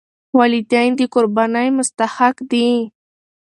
والدین د قربانۍ مستحق دي.